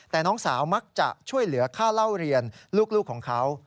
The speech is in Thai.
แต่น้องสาวมักจะช่วยเหลือค่าเล่าเรียนลูกของเขา